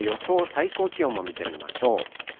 最高気温も見てみましょう。